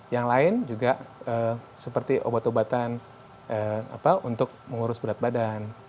yang lain juga seperti obat obatan untuk mengurus berat badan